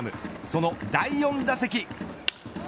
その第４打席。